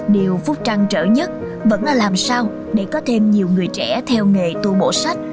điều phúc trăng trở nhất vẫn là làm sao để có thêm nhiều người trẻ theo nghề tu bổ sách